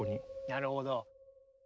なるほど。